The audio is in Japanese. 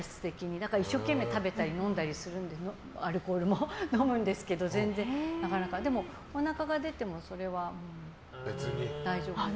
だから一生懸命食べたり飲んだりするのでアルコールも飲むんですけど全然なかなかでもおなかが出てもそれは大丈夫です。